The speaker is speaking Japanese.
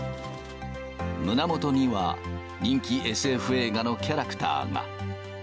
胸元には人気ＳＦ映画のキャラクターが。